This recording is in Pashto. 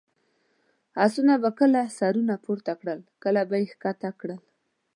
اسونو به کله سرونه پورته کړل، کله به یې کښته کړل.